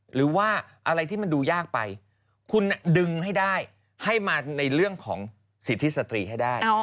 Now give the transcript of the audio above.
หรือว่าอะไรที่มันดูยากไปคุณดึงให้ได้ให้มาในเรื่องของสิทธิสตรีให้ได้